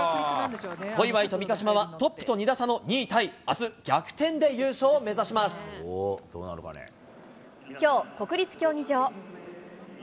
小祝と三ヶ島はトップと２打差の２位タイ、あす、逆転で優勝を目きょう、国立競技場。